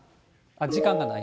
時間がない？